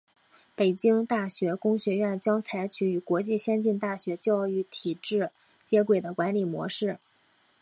北京大学工学院将采取与国际先进大学教育体制接轨的管理模式。